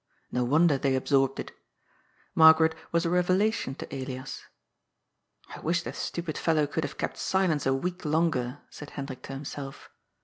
No wonder they absorbed it. Margaret was a revela tion to Elias. " I wish the stupid fellow could have kept silence a week longer," said Hendrik to himself.